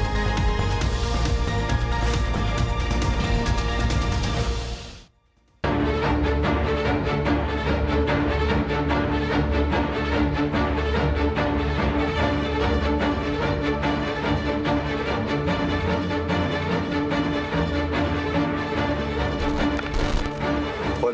สวัสดีครับ